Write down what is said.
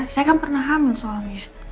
saya kan pernah hamil soalnya